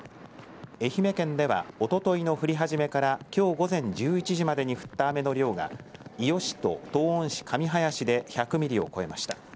愛媛県ではおとといの降り始めからきょう午前１１時までに降った雨の量が伊予市と東温市上林で１００ミリを超えました。